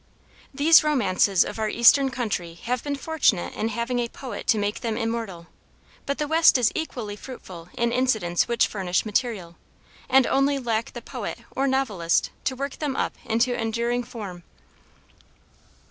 These romances of our eastern country have been fortunate in having a poet to make them immortal. But the West is equally fruitful in incidents which furnish material, and only lack the poet or novelist to work them up into enduring form.